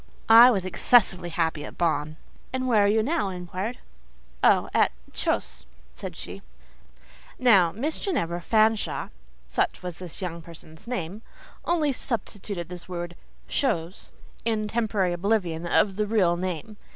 I was excessively happy at Bonn!" "And where are you now?" I inquired. "Oh! at—chose," said she. Now, Miss Ginevra Fanshawe (such was this young person's name) only substituted this word "chose" in temporary oblivion of the real name.